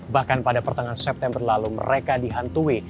bahkan pada pertengahan september lalu mereka dihantui